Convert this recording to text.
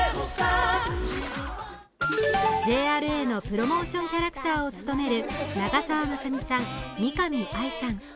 ＪＲＡのプロモーションキャラクターを務める長澤まさみさん、見上愛さん。